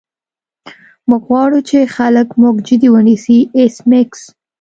موږ غواړو چې خلک موږ جدي ونیسي ایس میکس